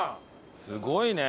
すごいね！